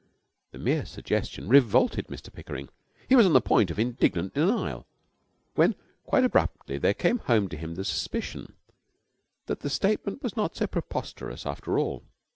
The mere suggestion revolted Mr Pickering. He was on the point of indignant denial, when quite abruptly there came home to him the suspicion that the statement was not so preposterous after all.